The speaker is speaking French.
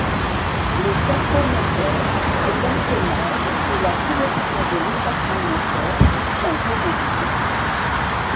Le capot moteur, l'empennage et la couverture de l'échappement moteur sont reconstruits.